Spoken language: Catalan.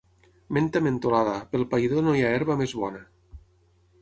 Menta mentolada, pel païdor no hi ha herba més bona.